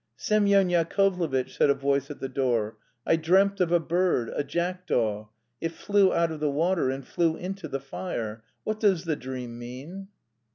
"Semyon Yakovlevitch," said a voice at the door. "I dreamt of a bird, a jackdaw; it flew out of the water and flew into the fire. What does the dream mean?"